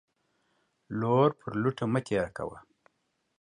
لور پر لوټه مه تيره کوه.